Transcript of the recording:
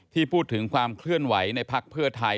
ที่พูดถึงความเคลื่อนไหวในภักดิ์เพื่อไทย